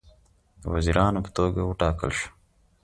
د وزیرانو په توګه وټاکل شول.